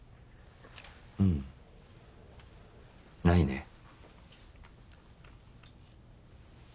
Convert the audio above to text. ないね。